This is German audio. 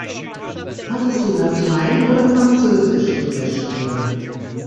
Hattest du Latein oder Französisch in der Schule?